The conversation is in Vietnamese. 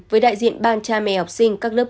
với đại diện ban cha mẹ học sinh các lớp